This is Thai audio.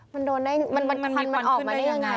มันควันมันออกมาได้ยังไง